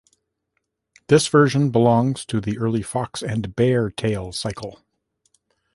This version belongs to the early Fox and Bear tale-cycle.